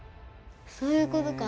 そういうことか。